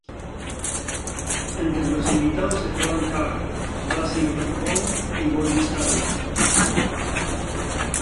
Entre los invitados estaban Carr, Basil Rathbone y Boris Karloff.